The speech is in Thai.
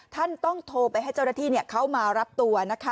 ท่านต้องโทรไปให้เจ้าหน้าที่เขามารับตัวนะคะ